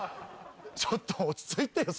ちょっと落ち着いてよ